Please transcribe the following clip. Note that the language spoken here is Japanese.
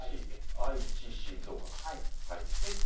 愛知、静岡か。